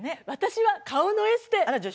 私は、顔のエステ。